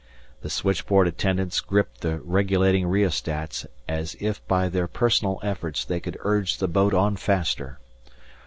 The switchboard attendants gripped the regulating rheostatts as if by their personal efforts they could urge the boat on faster.